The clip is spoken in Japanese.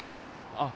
あっ